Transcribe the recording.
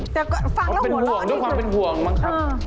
แต่ฟังแล้วเป็นห่วงด้วยความเป็นห่วงบ้างครับ